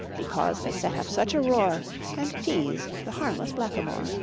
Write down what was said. Because they set up such a roar, And teased the harmless Black a moor.